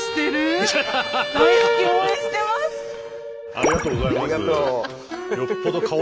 ありがとうございます。